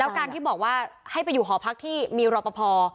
การที่บอกว่าให้ไปอยู่หอพักที่มีรอปภ